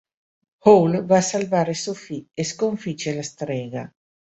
Howl va a salvare Sophie e sconfigge la strega.